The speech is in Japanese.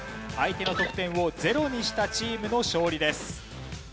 相手の得点をゼロにしたチームの勝利です。